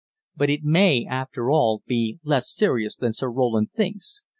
"But it may, after all, be less serious than Sir Roland thinks.